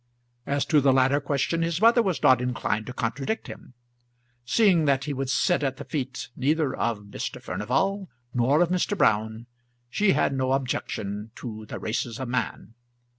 As to the latter question his mother was not inclined to contradict him. Seeing that he would sit at the feet neither of Mr. Furnival nor of Mr. Brown, she had no objection to the races of man.